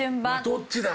どっちだ？